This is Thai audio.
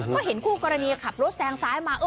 ก็เห็นคู่กรณีขับรถแซงซ้ายมา